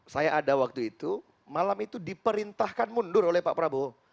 saya ada waktu itu malam itu diperintahkan mundur oleh pak prabowo